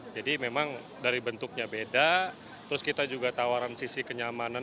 jadi memang dari bentuknya beda terus kita juga tawaran sisi kenyamanan